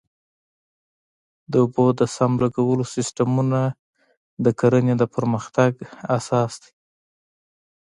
د اوبو د سم لګولو سیستمونه د کرنې د پرمختګ اساس دی.